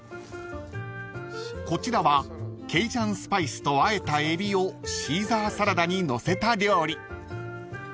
［こちらはケイジャンスパイスとあえたエビをシーザーサラダにのせた料理］